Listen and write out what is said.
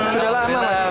sudah lama lah